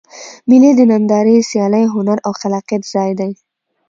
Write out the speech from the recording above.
مېلې د نندارې، سیالۍ، هنر او خلاقیت ځای دئ.